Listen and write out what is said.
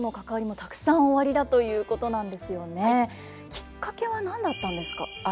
きっかけは何だったんですか？